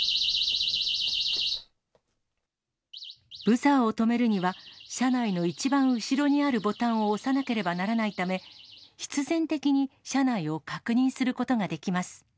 ブザーを止めるには、車内の一番後ろにあるボタンを押さなければならないため、必然的に車内を確認することができます。